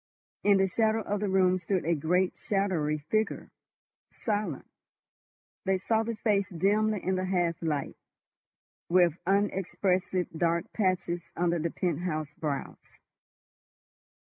In the shadow of the room stood a great shadowy figure—silent. They saw the face dimly in the half light, with unexpressive dark patches under the penthouse brows.